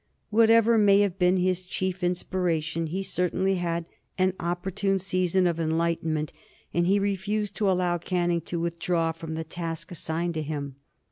Whatever may have been his chief inspiration, he certainly had an opportune season of enlightenment, and he refused to allow Canning to withdraw from the task assigned to him.